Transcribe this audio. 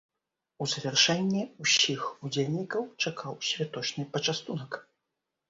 У завяршэнні ўсіх удзельнікаў чакаў святочны пачастунак.